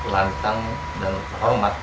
lantang dan hormat